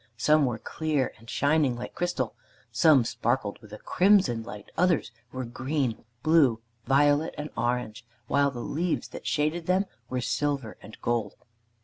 Some were clear and shining like crystal, some sparkled with a crimson light and others were green, blue, violet, and orange, while the leaves that shaded them were silver and gold.